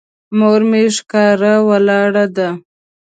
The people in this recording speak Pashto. مور مې ښکاره ولاړه ده.